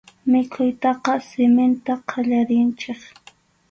Mikhuytaqa siminta qallarinchik.